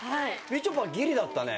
みちょぱぎりだったね。